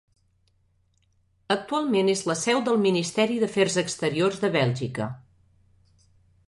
Actualment és la seu del Ministeri d'Afers Exteriors de Bèlgica.